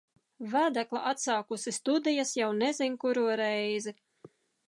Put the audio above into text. Vedekla atsākusi studijas, jau nezin kuro reizi.